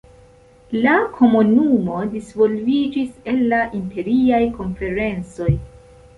La Komunumo disvolviĝis el la Imperiaj Konferencoj.